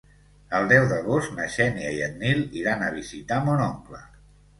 El deu d'agost na Xènia i en Nil iran a visitar mon oncle.